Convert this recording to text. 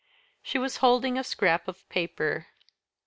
She was holding a scrap of paper.